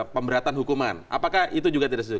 pemberatan hukuman apakah itu juga tidak sesuai